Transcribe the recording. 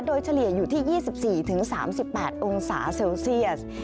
โดยเฉลี่ยอยู่ที่๒๔๓๘องศาเซลเซียส